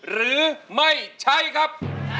หรือไม่ใช้ครับ